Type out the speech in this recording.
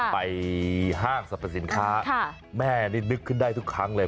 ห้างสรรพสินค้าแม่นี่นึกขึ้นได้ทุกครั้งเลย